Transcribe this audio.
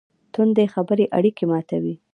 توندې خبرې اړیکې ماتوي.